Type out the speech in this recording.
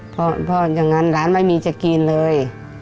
เพราะอย่างนั้นหลานไม่มีจะกินเลย